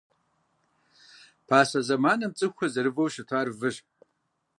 Пасэ зэманым цӏыхухэр зэрывэу щытар выщ.